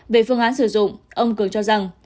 về phương án sử dụng ông cường cho rằng